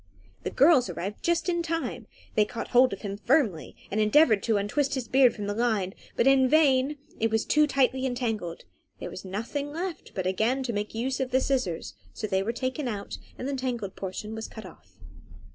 The girls arrived just in time. They caught hold of him firmly, and endeavoured to untwist his beard from the line, but in vain; it was too tightly entangled. There was nothing left but again to make use of the scissors; so they were taken out, and the tangled portion was cut off.